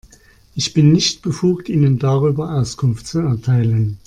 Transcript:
Ich bin nicht befugt, Ihnen darüber Auskunft zu erteilen.